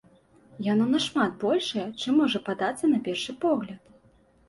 Яно нашмат большае, чым можа падацца на першы погляд.